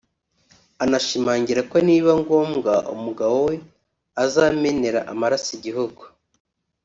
anashimangira ko nibiba ngombwa umugabo we azamenera amaraso igihugu